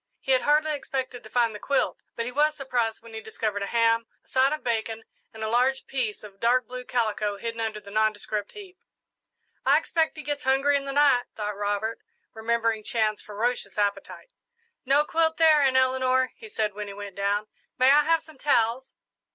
He had hardly expected to find the quilt, but he was surprised when he discovered a ham, a side of bacon, and a large piece of dark blue calico hidden under the nondescript heap. "I expect he gets hungry in the night," thought Robert, remembering Chan's ferocious appetite. "No quilt there, Aunt Eleanor," he said, when he went down. "May I have some towels?"